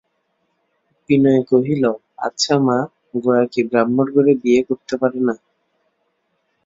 বিনয় কহিল, আচ্ছা মা, গোরা কি ব্রাহ্মর ঘরে বিয়ে করতে পারে না?